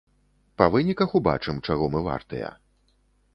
Па выніках убачым, чаго мы вартыя.